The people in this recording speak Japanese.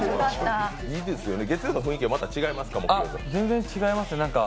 月曜の雰囲気は木曜とまた違いますか？